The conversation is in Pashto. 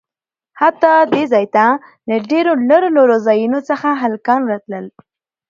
حتا د ځاى ته له ډېرو لرو لرو ځايونه څخه هلکان راتلل.